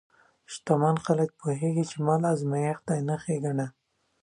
شتمن خلک پوهېږي چې مال ازمېښت دی، نه ښېګڼه.